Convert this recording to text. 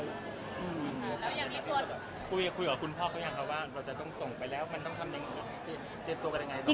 แล้วอย่างนี้ตัวคุยกับคุณพ่อเขาอย่างกันว่าเราจะต้องส่งไปแล้วมันต้องทำยังไงเตรียมตัวกันยังไง